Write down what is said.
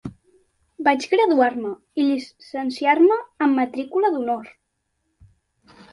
Vaig graduar-me i llicenciar-me amb matrícula d'honor.